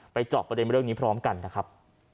เจาะประเด็นเรื่องนี้พร้อมกันนะครับ